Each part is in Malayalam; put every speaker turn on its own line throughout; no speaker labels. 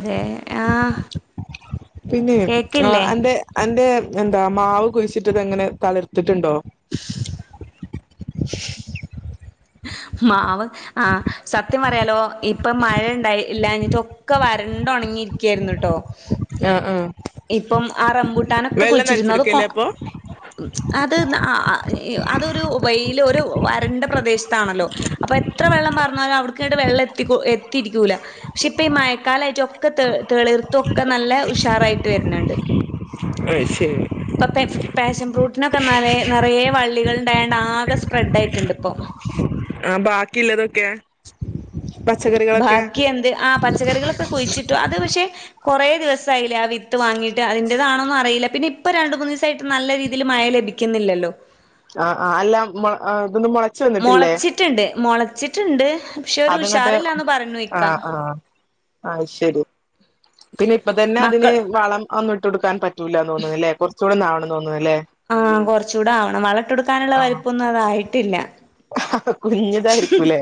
അതെ ആഹ്
പിന്നെ ആ
കേക്കില്ലേ
അന്റെ അന്റെ എന്താ മാവ് കുഴിച്ചിട്ട് ഇതെങ്ങനെ തളർത്തിട്ടുണ്ടോ? [unintelligible]
മാവ് ആഹ സത്യം പറയാലോ ഇപ്പൊ മഴ ഉണ്ടായി ഇല്ലഞ്ഞിട്ട് ഒക്കെ വരണ്ട ഉണങ്ങിയിരിക്ക ക്കായിന്ന ട്ടോ
ആഹ് ആഹ്
ഇപ്പം ആ റംമ്പൂട്ടാനൊക്കെ കുഴിച്ചിരുന്നു അത് കൊ
നനച്ചെടുക്കല്ലേ അപ്പൊ
അത് ആ അതൊരു വെയില ഒരു വരണ്ട പ്രദേശത്താണല്ലോ അപ്പൊ എത്ര വെള്ളം പറന്നാലും അവ്ടുക്കട്ട് വെള്ളം എത്തിരിക്കൂല പക്ഷെ ഇപ്പൊ ഈ മഴക്കാല ആയിട്ട് ഒക്കെ തെ തെളിർത്തൊക്കെ നല്ല ഉഷാറായി വരുന്നുണ്ട്
അത് ശരി
ഇപ്പോ പ പാഷൻ ഫ്രൂട്ടിനൊക്കെന്നാല നിറയ വള്ളികൾ ണ്ടേണ്ട ആകെ സ്പ്രെഡ് ആയിട്ടുണ്ട് ഇപ്പൊ
ആഹ് ബാക്കിള്ളതൊക്കെ?
ബാക്കി എന്ത് ആ പച്ചക്കറികളൊക്കെ കുഴിച്ചിട്ടോ അത് പക്ഷെ കുറേ ദിവസായില്ലേ ആ വിത്ത് വാങ്ങിട്ട് അതിന്റേതാണോന്നും അറിയില്ല പിന്ന ഇപ്പൊ രണ്ടു മൂന്ന് ദിവസമായിട്ട് നല്ല രീതിയിൽ മ മഴ ലഭിക്കുന്നില്ലല്ലോ?
ആ ആ അല്ല ഇതൊന്നും മുളച്ചു വന്നിട്ടില്ലേ
മുളച്ചിട്ടുണ്ട് മുളച്ചിട്ടുണ്ട് പക്ഷെ ഒരു
അതങ്ങട്ട്
ഉഷാറില്ലാന്ന് പറഞ്ഞു ഇക്കാ
ആഹ ശരി പിന്നെ ഇപ്പ തന്നെ അതിന്
മക്കൾ
വളം ഒന്നിട്ട് ടുക്കാൻ പറ്റൂലാന്നുന്നില്ലേ കുറച്ചൂടന്നാവണന്നു
ആഹ് കൊറച്ചുകൂടെ ആവണം വളട്ടൊടുക്കാനുള്ള
ആ
വലിപ്പൊന്നും അതായിട്ടില്ല
കുഞ്ഞിതായിരിക്കൂല്ലേ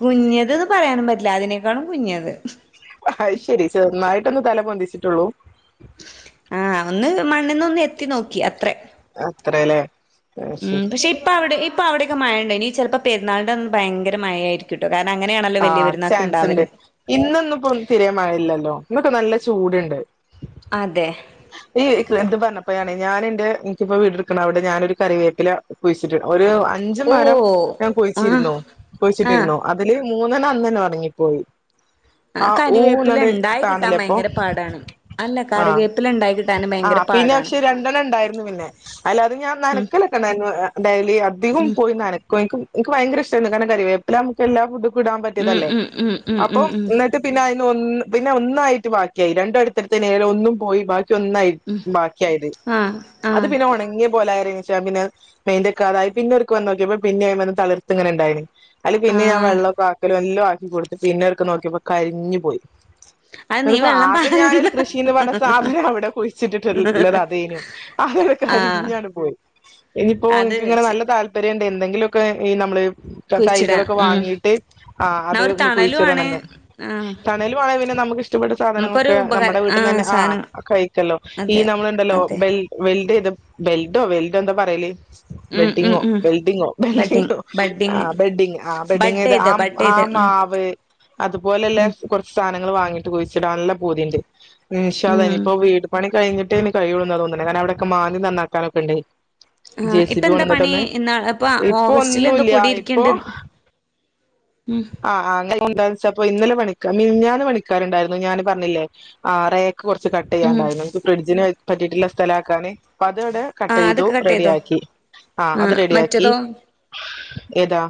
കുഞ്ഞത്ന് പറയാനും പ അല്ലാ അതിനേക്കാളും കുഞ്ഞത്
അത് ശെരിന്നായിട്ടൊന്ന് തല പോന്തിച്ചിട്ടുള്ളൂ
ആഹ് ഒന്ന് മണ്ണ്ന്ന് ഒന്ന് എത്തി നോക്കി അത്രേ
അത്രല്ലേ അത്
ഉം
ശരി
പക്ഷെ ഇപ്പ അവിടെ ഇപ്പൊ അവിടെക്കെ മഴണ്ട ഇനി ചിലപ്പോ പെരുന്നാളിന്റെ അന്ന് ഭയങ്കര മഴ ആയിരിക്കുട്ടോ
ആ ചാൻസ് ഇണ്ട് ഇന്ന്‌ ന്ന്‌പ്പം ഇപ്പം തീരെ മഴയില്ലല്ലോ ഇന്നൊക്കെ നല്ല ചൂടുണ്ട്
അതെ
ഇ എന്ത് പറഞപ്പം ഞ ഞാന് എന്റെ ഇൻക്കിപ്പോ വീട്ട്ക്ക്ണ അവിടെ ഞാനൊരു കറിവേപ്പില കുഴിച്ചിട്ട് ഒരു അഞ്ചു
ഓ
മരം ഞാൻ
ആഹ്
കുഴിച്ചിര്ന്നു
ആഹ്
കുഴിച്ചിട്ടിരുന്നു അതില് മൂന്നെണ്ണം അന്നന്നെ ഉണങ്ങിപ്പോയി [inaudible] ആ ഊ
കരിവേപ്പില
ന്നാണ്ട്
ഉണ്ടായി കിട്ടാൻ
താന്നില്ലേ ഇപ്പം
ഭയങ്കര പാടാണ് അല്ല
ആ
കറിവേപ്പില ഉണ്ടായി കിട്ടാനും
ആ
ഭയങ്കര
പി പിന്നെ
പാടാണ്
പക്ഷെ രണ്ടണ്ണം ഇണ്ടായിരുന്നു പിന്നെ അല്ല അത് ഞാൻ നനക്കലൊക്കെ ഇണ്ടായിരുന്നു ഡൈലി അധികം പോയി നനക്കും ഇൻക്ക് ഇൻക്ക് ഭയങ്കര ഇഷ്ടമായിരുന്നു കാരണം എന്താ അറിയോ കറിവേപ്പില നമുക്ക് എല്ലാ ഫുഡുക്കും ഇടാൻ
ഉം
പറ്റിയതല്ലേ
ഉം ഉം ഉം ഉം ഉം
അപ്പം
ഉം
ന്നിട്ട് പിന്നെ അ പിന്നെ ഒന്ന് പിന്നെ ഒന്നായിട്ട് ബാക്കിയായി രണ്ടും അടുത്തടുത്തെന്നെനി ഒന്നു പോയി ബാക്കി ഒന്നായി ബാക്കിയായത്
ആഹ്
അത്
ആഹ്
പിന്നെ ഉണങ്ങിയ പോലയാ പിന്നെ മൈന്റെക്കാതായി പിന്നൊരുക്കെ വന്നോക്കിയപ്പോ പിന്നെ അതിമെന്ന് തളിർത്തി ഇങ്ങനെ ഉണ്ടായിന്. അയില് പിന്നെ ഞാൻ
ആഹ്
വെള്ളോക്കെ ആക്കലും എല്ലാം ആക്കി കൊടുത്ത് പിന്നെ ഇടക്ക് നോക്കിയപ്പോ കരിഞ്ഞു പോയി.
അത് നീ വെള്ളം
ആകെ
പാരണ്ട
ഞാനൊരു കൃഷിന്ന് പറഞ്ഞ സാധനം അവിടെ കുഴിച്ചിട്ടിട്ടുള്ളത് അതേനു
ആഹ്
കരിഞ്ഞാണ് പോയി ഇനിയിപ്പോ
അത്
ഇൻക്ക് ഇങ്ങനെ നല്ല താല്പര്യണ്ട് എന്തെങ്കിലുമൊക്കെ ഈ നമ്മള്
കുഴിച്ചിടാം
തൈകളൊക്കെ
ഉം
വാങ്ങിട്ട് ആ
എന്നാ
അത്
ഒരു
ഒന്ന്
തണലും ആണ്
കുഴിച്ചിടണന്ന്
ആഹ്
തണൽ വാ പിന്നെ നമുക്ക്ഇഷ് ഇഷ്ടപ്പെട്ട
നമുക്കൊരു
സാധനങ്ങളൊക്കെ നമ്മുടെ
ഉപകാരം
വീട്ട്ന്ന് തന്നെ ആ
സാധനങ്ങൾ
കഴിക്കല്ലോ ഈ
അതെ
നമ്മളുണ്ടല്ലോ
അതെ
വെൽഡ വെൽഡോ വെൽഡോ എന്താ പറയല്
ഉം ഉം
ബെഡിങ്ങോ
ഉം
ബെൽഡിങ്ങോ
ബഡ്ഡിങ്
ബെൽഡോ ആ
ബഡ്ഡിങ്
ബെഡിങ് ആ ബെഡിങ്
ബഡ്ഡെയ്ത്
ആ
ബഡ്ഡെയ്ത് ഉം
മാവ് അതു പോലെള്ളെ
ഉം
കുറ നങ്ങൾ വാങ്ങിട്ട് കുഴിച്ചിടാനുള്ള പൂതിണ്ട് ഇന്ഷാ അല്ലാഹ്
ഉം
ഇനിപ്പോ വീട് പണി കഴിഞ്ഞിട്ടേഞ് കയിയുള്ളൂ എന്ന തോന്നിണേ കാരണം അവിടെക്കൊ മാന്തി നന്നാക്കാനൊക്കെ ണ്ട് ജെ
ആ
സി
ഇപ്പ
ബി
എന്താ പണി
വന്നിട്ടൊന്ന്
ഇന്നാ
ഇപ്പൊ
ഓഗസ്റ്റിൽ എന്തോ
ഒന്നുല്ല ഇപ്പൊ
കുടിയിരിക്ക്ണ്ട് ഉം
ആ ആ അങ്ങനെ ഇന്നലെ പണിക്കാർ മിഞ്ഞാന്ന് പണിക്കാരുണ്ടായിരുന്നു ഞാൻ പറഞ്ഞില്ലേ ആ റെ കുറച്ച് കട്ട്
ഉം
ചെയ്യാണ്ടായിരുന്നു ഫ്രിഡ്ജിന് പറ്റിട്ടുള്ള സ്ഥലാക്കാന് അപ്പം അതവിടെ
ആ
കട്ട് ചെയ്തു
അതൊക്കെ കട്ടെയ്തോ
റെഡിയാക്കി ആ അത് റെഡിയാക്കി എതാ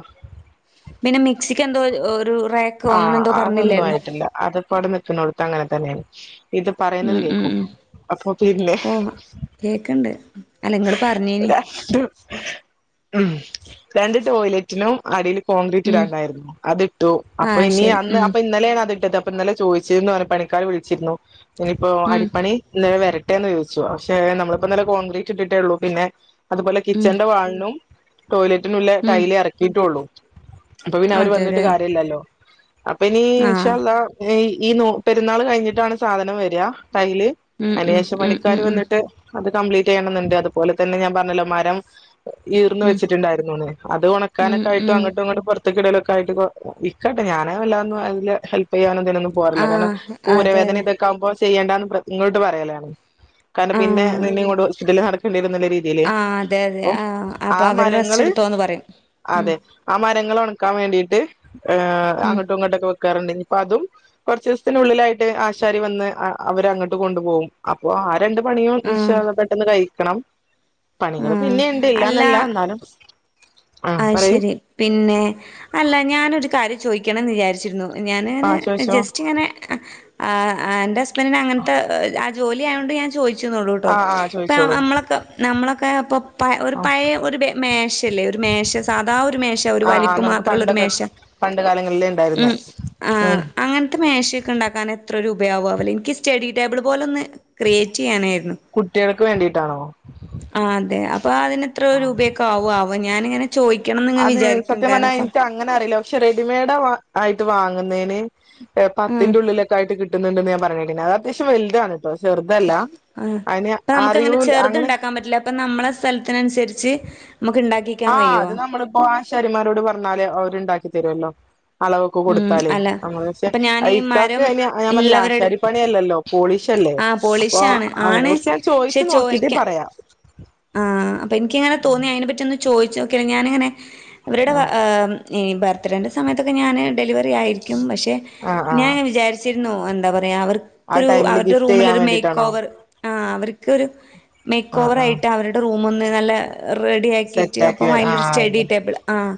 പിന്നെ മിക്സിക്ക് എന്തോ ഒരു റാക്കോ
ആ
അങ്ങനെ എന്തോ
അതൊന്നും
പറഞ്ഞില്ലായിരുന്നു
ആയിട്ടില്ല അത് ഇപ്പൊ അവ്ടെ നിക്കുണോടത്തന്നെ അങ്ങനെ തന്നെണ് ഇത് പറയുന്നത്
ഉം ഉം
കേക്കു
ഉം
അപ്പൊ പിന്നെ
ഓ കേക്ക്ണ്ട് അല്ല ഇങ്ങള് പറഞ്ഞിനി
രണ്ട് ഉം രണ്ട് ടോയ്ലറ്റിനും അടില് കോൺക്രീറ്റ്
ഉം
ഇടാണ്ടായിരുന്നു അത് ഇട്ടു
ആ
അപ്പൊ ഇനി
ശരി
അന്ന്
ഉം
അപ്പൊ ഇന്നലെണ് അത് ഇട്ടത് ഇപ്പ ഇന്നലെ ചോദിച്ചിര്ന്നു പറഞ്ഞ പണിക്കാർ വിളിച്ചിരുന്നു ഇനിയിപ്പോ
ഉം
അടിപ്പണി ഇന്നലെ വര ഇട്ടെന്ന് ചോദിച്ചു പക്ഷെ നമ്മളിപ്പപ്പോ ഇന്നലെ കോൺക്രീറ്റ് ഇട്ടിട്ടേള്ളൂ പിന്നെ അതുപോലെ
ഉം
കിച്ചന്റെ വാളിനും ടോയ്ലറ്റിനുല്ല
ഉം
ടൈൽ ഇറക്കിയിട്ടേള്ളൂ അപ്പൊ പിന്നെ അവര് വന്നിട്ട്
അതെല്ലേ
കാര്യല്ലല്ലോ അപ്പൊ ഇനി ഇൻഷാ
ആഹ്
അല്ലാഹ് ഈ നോ പെരുന്നാള് കഴിഞ്ഞിട്ടാണ് സാധനം വര ടൈൽ
ഉം ഉം
അയ്നെഷം
ഉം ഉം
പണിക്കാര് വന്നിട്ട് അത് കംപ്ലീറ്റ് ചെയ്യണന്ന്‌ണ്ട് അതുപോലെ തന്നെ ഞാൻ പറഞ്ഞല്ലോ മരം ഈർന്ന്‌
ഉം ഉം
വെച്ചിട്ടുണ്ടായിരുന്നു ന്ന്‌ അത്
ഉം
ഒണക്കാനൊക്കെ ആയിട്ട
ഉം
അങ്ങട്ടും ഇങ്ങ ത്ത്കിടലൊക്കെ ആയിട്ട് ഇപ്പൊ ഇക്ക ട്ടൊ ഞാന് വല്ലാദൊന്നും അയില് ഹെൽപ് ചെയ്യാനും ലൊന്നും പോകാറില്ല കാരണം
ആഹ് അതെ
ഊരവേദന ഇതൊക്കാകുമ്പോ ചെയ്യേണ്ടന്ന് ഇങ്ങോട്ട് പറയലാണ് കാരണം
അതെ
പിന്നെ
ആഹ്
നിന്നിം കൊണ്ട് ഹോസ്പിറ്റലിൽ നടക്കേണ്ടി വരും നല്ലരീതില്
ആഹ് അതെ അതെ
പ്പം
ആഹ്
ആ
അപ്പൊ അവര്
മരങ്ങൾ
റെസ്റ്റ് എടുത്തോന്ന് പറയും ഉം
അതെ ആ മ ഞങ്ങളൊണക്കാൻ വേണ്ടീട്ട്
ഉം
അങ്ങട്ടുങ്ങട്ടൊക്കെ വെ ക്കാറ്ണ്ട് ഇഞ് പ്പതും കൊർച്ചീസത്തിനുള്ളിലായിട്ട് ആശാരി വന്ന് അ അവരങ്ങോട്ട് കൊണ്ടുപോകും അപ്പൊ ആ രണ്ട് പണിയും ഇൻശ
ആഹ്
അല്ലാഹ്‌ പെട്ടെന്ന് കഴിക്കണം. പണികള്
ആഹ്
പിന്നിണ്ട് ല്ലാ ന്നല്ല ന്നാലും
അയ്ശരി പിന്നെ അല്ല ഞാനൊരു കാര്യം ചോയിക്കണന്ന് വിചാരിച്ചിരുന്നു ഞാനിങ്ങനെ
ആഹ് ചോദിച്ചോ
ജസ്റ്റ് ഇങ്ങനെ ആ എന്റെ ഹസ്ബൻഡന് അങ്ങനത്തെ ജോലി ആയോണ്ട് ഞാൻ ചോദിച്ന്നൊള്ളൂ ട്ടോ
ആഹ് ആഹ്
ഇപ്പൊ
ചോദിച്ചോളൂ
നമ്മളൊക്കെ നമ്മളൊക്കെ ഇപ്പൊ പ ഒരു
ആഹ്
പയേ ഒരു മേശല്ലേ ഒരു മേശ സാധാ ഒരു മേശ ഒരു
ആഹ് ആഹ്
വലിപ്പ്
നമുക്ക്
മാത്ര ള്ളൊരു
പണ്ടൊക്കെ
മേശ
പണ്ട് കാലങ്ങളിലെ
ഉം
ഉണ്ടായിരുന്നേ ഉം
മേശെക്കെ ണ്ടാക്കാന് എത്ര രുപ യാവു ആവുലേ ഇൻക്ക് സ്റ്റഡി ടേബിൾ പോലൊന്ന് ക്രിയേറ്റെയ്യാനായി
കുട്ടികൾക്ക് വേണ്ടിട്ടാണോ
[unintelligible] ആ അതെ അപ്പൊ അതിന് എത്ര രൂപയൊക്കെ ആവു ആ
അതെ സത്യം പർഞ്ഞാ
കാരണം ഇപ്പം
ഇൻക്ക് അങ്ങനെ അറീല്ല പക്ഷെ റെഡിമെയ്ഡാവാ ആയിട്ട് വാങ്ങുന്നയ്ന് അ്
ആഹ്
പത്തിന്റെ ഉള്ളിലൊക്കായിട്ട് കിട്ടുന്നുണ്ടെന്ന് ഞാൻ പറിണേട്ടിനി അഅ് അത്യാവശ്യം വെല്താണ് ട്ടോ ചെറ്തല്ല.
ആ അപ്പൊ അമ്മക്കങ്ങനെ ചെറ്ത് ണ്ടാക്കാൻ പറ്റില്ല ഇപ്പൊ നമ്മളെ സ്ഥലത്തിനൻസരിച്ച് നമക്ക് ണ്ടാക്കി
ആഹ് അത് നമ്മളിപ്പോ ആശാരിമാരോട് പർഞ്ഞാല് അവര്ണ്ടാക്കി തെരൊല്ലോ അളവൊക്ക
ഉം
കൊട്ത്താല്
അല്ല അപ്പൊ
[unintelligible]
ഞാനീ
ഇക്കാക്ക്
മരം
അയ്ന് ഞാം പർഞ്ഞിലേ
ഇള്ളവരോട്
ആശാരി പണിയല്ലല്ലോ പോളിഷ ല്ലേ
ആഹ്
അപ്പൊ
പോളിഷാണ്
അയ്നെ
ആണ്
കുറിച്ച് ഞാൻ ചോയിച്ച്
പക്ഷെ
നോക്കീട്ട്
ചോയ്ക്ക
പറയാ
ആഹ് അപ്പൊ ഇൻക്ക്ങ്ങനെ തോന്നി അയ്നെ പറ്റി ഒന്ന് ചോയ്‌ച്ച ക്കണ് ഞാനിങ്ങനെ അവരുടെ
ആഹ്
അ് ഈ ബർത്ത്ഡേൻ്റെ സമയത്തൊക്കെ ഞാന് ഡെലിവറി യായിരിക്കും പക്ഷെ
ആഹ് ആ
ഞാന് ങ്ങനെ വിചാരിച്ചിരുന്നു എന്താ പറ
ആ
അവർക്കൊരു
ടൈമില്
അവരുടെ
ഗിഫ്റ്റ് ചെയ്യാൻ
റൂമിലൊരു
വേണ്ടിട്ടാണോ
മേക്കോവർ ആ അവർക്കൊരു മേക്ക്
ആഹ് ആഹ്
ഓവറായിട്ട് അവരുടെ റൂമൊന്ന് നല്ല റെഡി യാക്കിട്ട
സെറ്റ് ആക്കി
അപ്പം
വരാ
അയ്ലൊരു
ആഹ്
സ്റ്റഡി
അതെ
ടേബിള് ആഹ്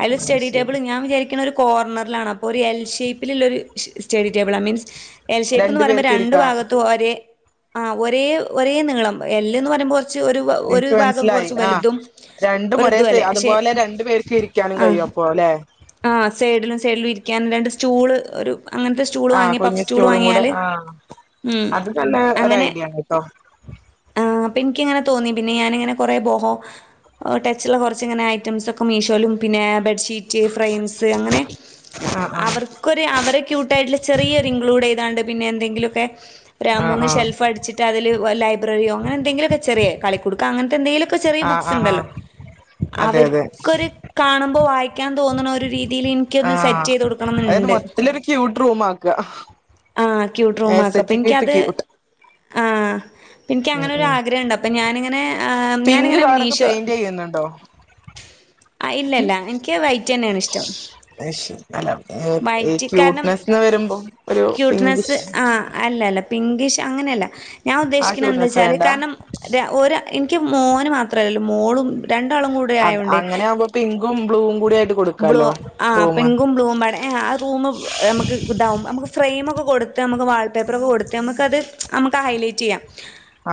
അയ്ലൊരു
ആഹ്
സ്റ്റഡി
ശരി
ടേബിള് ഞാൻ വിചാരി ക്ക്ണൊരു കോർണറിലാണ് അപ്പോരു എൽ ഷേപ്പില്ല്ലൊരു ഒരു സ്റ്റഡി ടേബിളാ മീൻസ് എൽഷേപ്പ്ന്ന്
രണ്ടു
പറയുമ്പോ
പേർക്ക്
രണ്ടു
ഇരിക്കാ
ഭാഗത്തും ഒരേ ആ ഒരേ ഒരേ നീളം എല്ല്ന്ന് പറയുമ്പോ കൊ
എനിക്ക് മൻസ്സിലായി ആ രണ്ടും ഒരേ
ഒരിതു അല്ലേ
സെയിം
പക്ഷെ
അതുപോലെ രണ്ടു പേര്ക്കും ഇരിക്കാനും
ആ
കയ്യും അ പോലേ
ആ സൈഡിലും സൈഡിലും ഇരിക്കാൻ രണ്ട് സ്റ്റൂള് ഒര് അങ്ങൻത്തെ സ്റ്റൂള്
ആഹ്
വാങ്ങി പഫ്
കുഞ്ഞ്
സ്റ്റൂൾ
സ്റ്റൂളും കൂടെ
വാങ്ങ്യാല്
ആഹ്
ഉം
അത് നല്ല ഒരു
അങ്ങനെ
ഐഡിയ ആണ് ട്ടോ
ആ പ്പിൻക്കങ്ങനെ തോന്നി പിന്നെ ഞാനിങ്ങനെ കൊറേ ബോഹോ ഓ ടച്ച്ള്ള കൊർച്ചിങ്ങനെ ഐറ്റംസൊക്കെ മീഷോലും പിന്നെ ബെഡ് ശീറ്റ് ഫ്രൈംസ് അങ്ങനെ
ആഹ് ആഹ്
അവർക്കൊര് അവരെ ക്യൂട്ടായിട്ടുള്ള ചെറിയൊരു ഇൻക്ലൂഡെയ്താണ്ട് പിന്നെ എന്തെങ്കിലൊക്കെ ര
ആഹ്
മൂന്ന്
ആഹ്
ഷെൽഫ് അടിച്ചിട്ട് അതില് ലൈബ്രറിയോ അങ്ങനെ എന്തെങ്കിലൊക്കെ ചെറ്യേ കളിക്കുടുക്ക അങ്ങൻത്തെന്തേലൊക്കെ ചെറിയ
ആഹ്
ബുക്സ്
ആഹ്
ണ്ടല്ലോ
ആഹ് അതെ അതെ
അവർക്കൊരു കാണുമ്പോ വായി ക്കാൻ തോന്ന്ണ ഒര് രീ
ആഹ് അതായത് മൊത്തത്തിലൊരു ക്യൂട്ട് റൂം മാക്ക
ആ ക്യൂട്ട് റൂമാക്കാ പ്പൻക്കത്
ക്യൂട്ട്
ആഹ് പ്പ ഇൻക്ക്
ഉം ഉം
അങ്ങനൊരാഗ്രഹണ്ട് അപ്പൊ ഞാനിങ്ങനെ ആ
പിങ്ക്
ഞാനിങ്ങനെ
കളറൊക്കെ
മീഷോ
പെയിന്റ് ചെയ്യുന്നുണ്ടോ
ആ ഇല്ലല്ല ഇൻക്ക് വൈറ്റെന്നേണിഷ്ടം.
അഅ് ശെരി അ് ഈ
കാരണം
ക്യൂട്ട്നെസ്ന്ന് വരുമ്പോ ഒരു
ക്യൂട്ട്നെസ്സ്
പിങ്കിഷ്
ആ അല്ലല്ല പിങ്കിഷ് അങ്ങനെല്ല ഞാൻ
ആ
ഉദ്ദേശിക്ക്ണെ
ക്യൂട്ട്നെസ്
എന്താച്ചാല്
വേണ്ട
കാരണം ര ഒരാ ഇൻക്ക് മോന് മാത്രല്ലല്ലോ മോളും രണ്ടാളും കൂടെ ആയോണ്ടേ
ങ്കും ബ്ലൂ കൂടിയ
ബ്ലൂ ആ പിങ്കും ബ്ലൂവും പാടെ ഏ അഅ് റൂമ് അമ്മക്ക് ഇതാവും നമക്ക് ഫ്രയ്മ് ക്കെ കൊട്ത്ത് അമ്മക്ക് വാൾ പേപ്പറൊക്കെ കൊട്ത്ത് നമുക്കത് നമുക്ക് ഹൈലൈറ്റെയ്യാം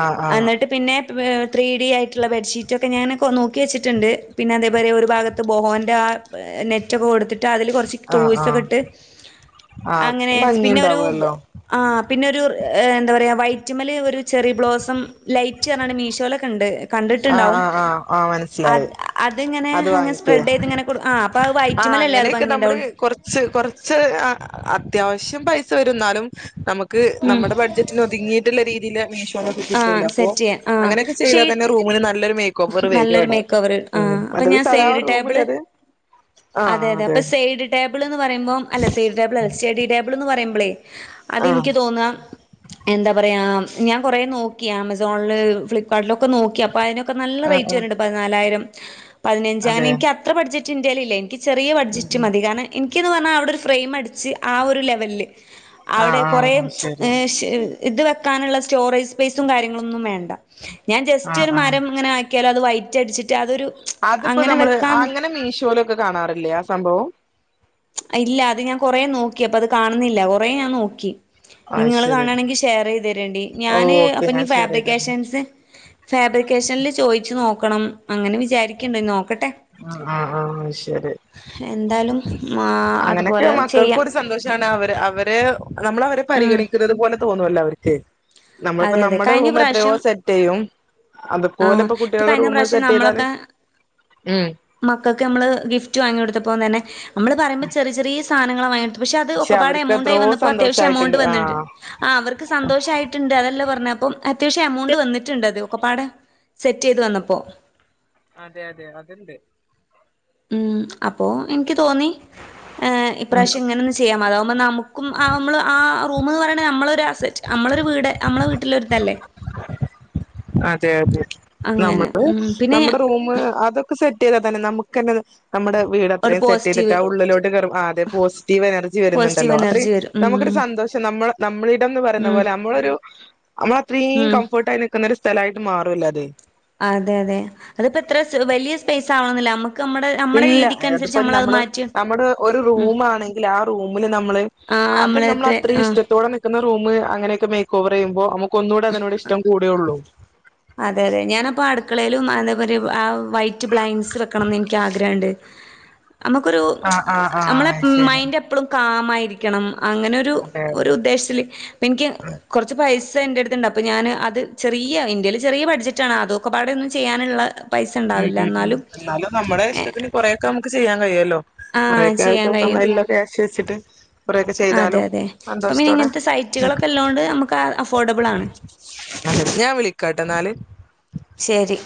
ആഹ് ആഹ്
അന്നിട്ട് പിന്നെ വെ ത്രീ ഡി ആയിട്ടുള്ള ബെഡ്ഷീറ്റൊക്കെ ഞാന് കൊ നോക്കി വെച്ചിട്ട്ണ്ട് പിന്നെ അതേപോലെ ഒരു ഭാഗത്ത് ബോഹോൻ്റ ആ നെറ്റൊക്കെ കൊട്ത്തി ട്ടതില്കൊറച്ച്
ആഹ് ആഹ്
ടോയ്‌സൊക്കെ ഇട്ട്
ആഹ്
അങ്ങനെ പിന്നൊരുപ്പാ
ഭംഗിണ്ടാവുല്ലോ
ആ പിന്നൊരു ആ എന്താ പറയാ വൈറ്റ്മ്മല് ഒരു ചെറി ബ്ലോസം ലൈറ്റ്ർഞ്ഞാണ്ട്‌ മീഷോലെക്കെണ്ട്‌.
ആഹ്
കണ്ട്ട്ട്ണ്ടാവും
ആഹ് ആഹ് ആഹ്
അത്
മനസ്സിലായി
അത്ങ്ങനെ അങ്ങ സ്പ്രെഡെയ്ത്ങ്ങനെ
ആ അങ്ങനെയൊക്കെ നമ്മള് കൊറച്ച് കൊറച്ച് ആ അത്യാവ ശ്യം പൈസ വരുന്നാലും നമ്മ ക്ക്
ഉം
നമ്മടെ ബഡ്ജറ്റിന് ഒതുങ്ങിയിട്ട്ള്ള രീതിയില് മീഷോന്നൊക്കെ
ആ
കിട്ടൊല്ലോ അപ്പോ
സെറ്റ് ചെയ്യാം ആ
അങ്ങനെയൊക്കെ
പക്ഷേ
ചെയ്താ
ഈ
തന്നെ റൂമിന് നല്ലൊരു മേക്കോവറ് വരും അവ്ടെ
ഇപ്പ ഞാൻ സൈഡ് ടേബിള് അതെ അതെ അപ്പ സൈഡ് ടേബിള്ന്ന് പറയുമ്പോ അല്ല സൈഡ് ടേബ്ളല്ല സ്റ്റഡിടേബിള്ന്ന് പറിമ്പളേ
ആഹ്
അതിന്ക്കി തോന്നാ എന്താ പറയാ ഞാൻ കൊറേ നോക്കി ആമസോണ്ല് ഫ്ലിപ്കാർട്ടിലൊക്കെ നോക്കിയാ ക്ക നല്ല
ആഹ്
റേറ്റ്
ആഹ്
വര്ന്ന്ണ്ട് പതിനാലായിരം പതിനഞ്ച് അങ്ങനെ
അതെ
ഇന്ക്ക് അത്ര ബഡ്ജറ്റ് ഇന്റേലില്ല ഇന്ക്ക് ചെറിയ
ഉം
ബഡ്ജറ്റ്
ഉം
മതി കാരണം ഇന്ക്ക് പറ്ഞ്ഞാ അവ്ടെ ഒരു ഫ്രെയിം അടിച്ച് ആ ഒരു ലെവല്ല് അവിടെ
ആഹ്
കൊറേ
ആഹ് ശരി
ഏ ശെ ഇത് വെക്കാനുള്ള സ്റ്റോറേജ് സ്പേസും കാര്യങ്ങളും ഒന്നും വേണ്ട ഞാൻ ജസ്റ്റ്
ആഹ്
ഒരു
ആഹ്
മരം ആക്കിയാലത് വൈറ്റ് അടിച്ചിട്ട് അതൊരു
അതിപ്പോ
അങ്ങനെ
നമ്മള്
വെക്കാന്ന്
അങ്ങനെ മീശോലൊക്കെ കാണാറില്ലേ ആ സംഭവം
ഇല്ല അത് ഞാൻ കൊറെ നോക്കി അപ്പൊ അത് കാണുന്നില്ല കൊറേ ഞാൻ നോക്കി
അത്
നിങ്ങള്
ശരി
കാണണെങ്കിൽ ഷെയറയ്തരേണ്ടി ഞാന്
ഓക്കെ
അപ്പൊ ഞി
ഞാൻ ഷെയർ ചെയ്തരണ്ട്
ഫാബ്രിക്കേഷൻസ് ഫാബ്രിക്കേഷനിൽ ചോയിച്ച് നോക്കണം. അങ്ങനെ വിചാരിക്ക്ണ്ട് നോ
ആ ആ ആഹ് ശരി
എന്തായാലും ആ
അങ്ങനെയൊക്കെ
അതുപോലെ ചെയ്യാം
മക്കൾക്കൊരു സന്തോഷാണ് അവര് അവ ഏഹ് നമ്മള അവരെ
ഉം
പരിഗണിക്കുന്നത് പോലെ തോന്നു വല്ലോ അവര്ക്ക് നമ്മളിപ്പോ
അതെ അതെ
നമ്മുടെ
കഴിഞ്ഞ
റൂം എത്രയോ
പ്രാവശ്യം
സെറ്റെയ്യും
ആ
അതുപോലെ ഇപ്പോ കുട്ടികളുടെ റൂമും സെറ്റ് ചെയ്താല് ഉം
മക്കക്ക് നമ്മള് ഗിഫ്റ്റ് വാങ്ങിയോടുത്തപ്പോം തന്നെ നമ്മള് പറയുമ്പ ചെറിയ ചെറിയ സാധനങ്ങളാ വാങ്ങി പക്ഷെ അത് ഒക്കപ്പാടെ
അവർക്ക്
എമൗണ്ട് ആയി
എത്രയോ
വന്നപ്പോ അത്യാവശം എമൗണ്ട്
സന്തോഷായിട്ടുണ്ട്
വന്നിണ്ട്.
ആഹ്
ആ അവർക്ക് സന്തോഷയിട്ട് അതെല്ല പറഞ്ഞെ അപ്പോ അത്യാവശ്യം എമൗണ്ട് വന്നിട്ട്ണ്ടത് ഒക്കപ്പാടെ സെറ്റ് ചെയ്ത് വന്നപ്പോ
അതെ അതെ അത്ണ്ട്
ഉം അപ്പോ എനിക്ക് തോന്നി [unintelligible] ഈപ്രാവശ്യം ഇങ്ങനെ ഒന്ന് ചെയ്യാ അതാകുമ്പോ നമുക്കും നമ്മള് ആ റൂമ് പറയണെ നമ്മള് ഒര് അസ്സറ്റ് നമ്മളൊരു വീട് നമ്മളെ വീട്ടിലൊരിതല്ലേ
അതെ അതെ
അങ്ങനെ
നമ്മള്
ഉം പിന്നെ
നമ്മുടെ റൂമ് അതൊക്കെ സെറ്റ് [unintelligible] തന്നെ നമ്മുക്കന്നത് നമ്മുടെ വീട്
ഒരു
അത്രയും സെറ്റ് ചെയ്തിട്ട്
പോസിറ്റീവ്
ആ ഉള്ളിലോട്ട് കയറും അതെ പോസിറ്റീവ് എനർജി
പോസിറ്റീവ്
വരുന്നുണ്ടല്ലോ അത്രയും
എനർജി വരും ഉം
നമ്മുക്കൊരു സന്തോഷം. നമ്മ നമ്മളിടംന്ന് പറയുന്ന
ഉം
പോലെ നമ്മളൊരു നമ്മള അത്രീം
ഉം
കംഫോർട്ട് ആയി നിക് സ്ഥലയിട്ട് മാറൂല്ലെ അത്
അതെ അതെ അതിപ്പോ എത്ര സ് വലിയ സ്പേസ് ആവണൊന്നില്ല നമ്മ
ഇല്ല അതിപ്പോ നമ്മള് നമ്മുടെ ഒരു
ഉം
റൂമാ ആണെങ്കിൽ ആ റൂമില് നമ്മള്
ആഹ്
അത് നമ്മള്
എത്ര
അത്രീം
ആഹ്
ഇഷ്ടത്തോടെ നിക്കുന്ന റൂമ്, അങ്ങനെയൊക്കെ മേക്ക് ഓവർ ചെയ്യുമ്പോ, നമുക്ക് ഒന്നൂടെ അതിനോട് ഇഷ്ടം കൂടെയൊള്ളൂ
അതെ അതെ ഞാനപ്പെ അടുക്കളയിലും എന്താ പറയ വൈറ്റ് ബ്ലൈൻസ് വെക്കണംന്ന് എനിക്ക് ആഗ്രഹണ്ട്
[inaudible]
നമ്മുക്കൊരു
ആ ആ ആ
നമ്മളെ
ശരി
മൈന്റ് എപ്പളും കാമായിരിക്കണം അങ്ങനെ ഒരു
അതെ അതെ
ഒരു ഉദ്ദേശ്ല് ഇപ്പം എനിക്ക്
ആ
കൊറച്ച് പൈസ് ജ്ജ്ജ് എൻ്റെ അടുത്തണ്ട് അപ്പൊ ഞാൻ അത് ചെറിയ എന്റെല് ചെറിയ ബഡ്ജറ്റാണ് അതൊക്കൊപ്പാടെ ഒന്നും ചെയ്യാനുള്ള പൈസ
ഉം,
ഉണ്ടാവില്ല
ഉം, ഉം, എന്നാലും നമ്മുടെ
ഏഹ്
ഇഷ്ടത്തിന് കൊറെക്ക നമുക്ക് ചെയ്യാൻ കഴിയോല്ലോ.?
ആഹ്
കൊറേക്കെ [unintelligible] അ യ്ലുള്ള ക്യാഷ് വെച്ചിട്ട് കൊറെയൊക്കെ
അ, അതെ,
ചെയ്താലും
അതെ, ഇപ്പം ഇനി
സന്തോഷത്തോടെ
ഇങ്ങൻ ത്തെ
നിക്ക.
സൈറ്റുകളൊക്കെ ഇല്ലോണ്ട് നമുക്ക് അഫോഡബിള് ആണ്.
[unintelligible] ഞാൻ വിളിക്കാട്ടെ എന്നാല്
ശരി